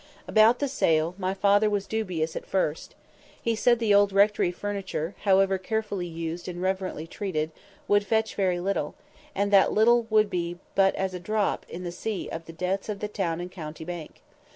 About the sale, my father was dubious at first. He said the old rectory furniture, however carefully used and reverently treated, would fetch very little; and that little would be but as a drop in the sea of the debts of the Town and County Bank.